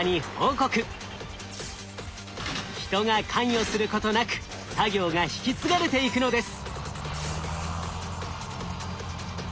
人が関与することなく作業が引き継がれていくのです。